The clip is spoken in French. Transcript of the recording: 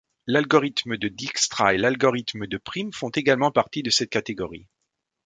L'algorithme de Dijkstra et l'algorithme de Prim font également partie de cette catégorie.